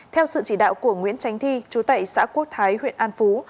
theo sự chỉ đạo của nguyễn tránh thi chú tệ xã quốc thái huyện an phú